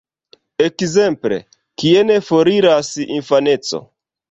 Ekzemple, "Kien foriras infaneco?